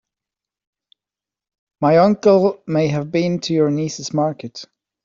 My uncle may have been to your niece's market.